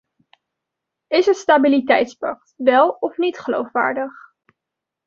Is het stabiliteitspact wel of niet geloofwaardig?